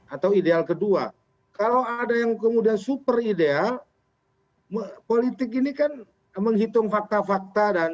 atau ideal kedua kalau ada yang kemudian super ideal politik ini kan menghitung fakta fakta dan